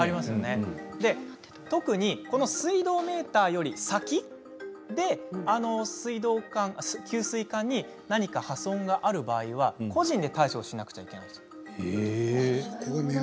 特に水道メーターより先で給水管に何か破損がある場合は個人で対処しなくちゃいけないんです。